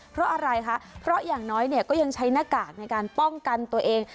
เพราะอะไรคะเพราะอย่างน้อยเนี่ยก็ยังใช้หน้ากากในการป้องกันตัวเอง